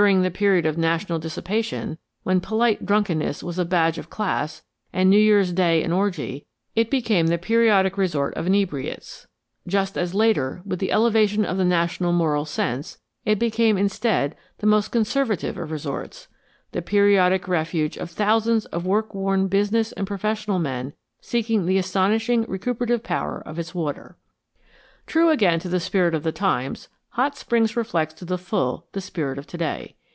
During the period of national dissipation, when polite drunkenness was a badge of class and New Year's day an orgy, it became the periodic resort of inebriates, just as later, with the elevation of the national moral sense, it became instead the most conservative of resorts, the periodic refuge of thousands of work worn business and professional men seeking the astonishing recuperative power of its water. True again to the spirit of the times, Hot Springs reflects to the full the spirit of to day.